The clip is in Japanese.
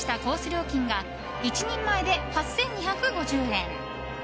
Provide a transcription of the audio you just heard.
料金が１人前で８２５０円。